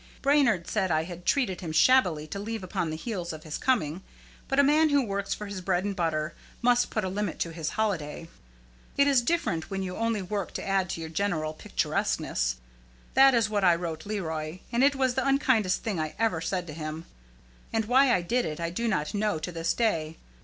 Brainard said I had treated him shabbily to leave upon the heels of his coming. But a man who works for his bread and butter must put a limit to his holiday. It is different when you only work to add to your general picturesqueness. That is what I wrote Leroy, and it was the unkindest thing I ever said to him; and why I did it I do not know to this day.